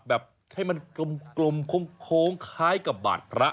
แบบให้มันกลมโค้งคล้ายกับบาดพระ